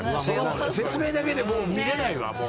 その説明だけでもう見られないわ。